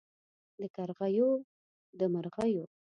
د کرغیو د مرغیو